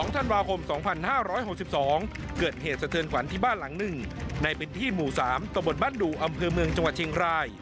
ธันวาคม๒๕๖๒เกิดเหตุสะเทือนขวัญที่บ้านหลังหนึ่งในพื้นที่หมู่๓ตะบนบ้านดูอำเภอเมืองจังหวัดเชียงราย